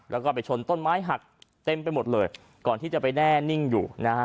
แล้วก็ไปชนต้นไม้หักเต็มไปหมดเลยก่อนที่จะไปแน่นิ่งอยู่นะฮะ